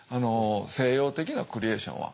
西洋的なクリエーションは。